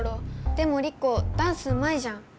でもリコダンスうまいじゃん。